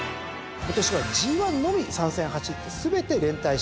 今年はＧⅠのみ３戦走って全て連対している。